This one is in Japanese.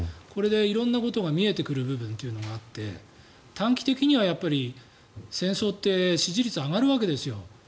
これで色んなことが見えてくる部分があって短期的には戦争って支持率が上がるわけですよ。